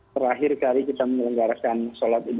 terakhir kali kita mengelenggarkan sholat ibrat